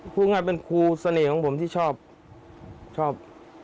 พูดง่ายเป็นครูเสน่ห์ของผมที่ชอบชอบ